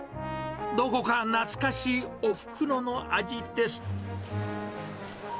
どこか懐かしいおふくろの味です。